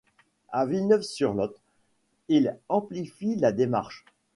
À Villeneuve-sur-Lot, il amplifie la démarche.